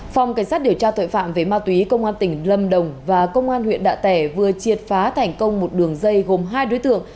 phòng cảnh sát điều tra tội phạm về ma túy công an tỉnh lâm đồng và công an huyện đạ tẻ vừa triệt phá thành công một đường dây gồm hai đối tượng